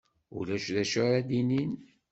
Ulac d acu ara d-inin?